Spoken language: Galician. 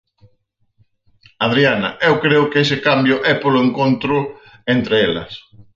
Adriana: Eu creo que ese cambio é polo encontro entre elas.